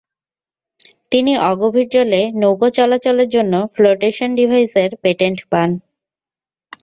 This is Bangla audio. তিনি অগভীর জলে নৌকো চলাচলের জন্য ফ্লোটেশন ডিভাইসের পেটেন্ট পান।